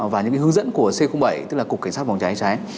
và những hướng dẫn của c bảy tức là cục cảnh sát phòng cháy cháy